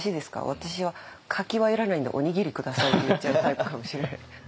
私は「柿はいらないんでおにぎり下さい」って言っちゃうタイプかもしれない。